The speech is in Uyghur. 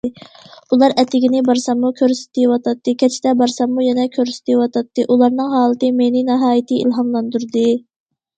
ئۇلار ئەتىگىنى بارساممۇ كۆرسىتىۋاتاتتى، كەچتە بارساممۇ يەنە كۆرسىتىۋاتاتتى، ئۇلارنىڭ ھالىتى مېنى ناھايىتى ئىلھاملاندۇردى.